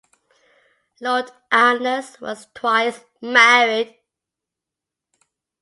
Lord Alness was twice married.